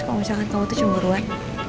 kalau misalkan kamu tuh cemburuan